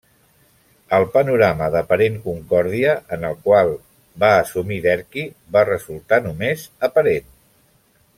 El panorama d'aparent concòrdia en el qual va assumir Derqui va resultar només aparent.